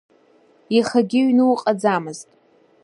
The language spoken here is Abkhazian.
Иахагьы аҩны уҟаӡамызт.